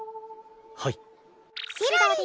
はい。